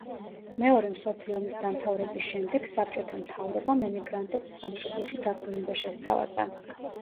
მეორე მსოფლიო ომის დამთავრების შემდეგ საბჭოთა მთავრობამ ემიგრანტებს სამშობლოში დაბრუნება შესთავაზა.